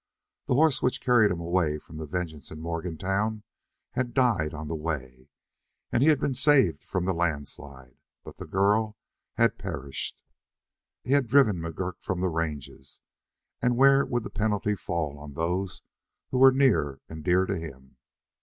The horse which carried him away from the vengeance in Morgantown had died on the way and he had been saved from the landslide, but the girl had perished. He had driven McGurk from the ranges, and where would the penalty fall on those who were near and dear to him?